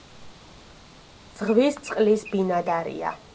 ზღვის წყლის ბინადარია.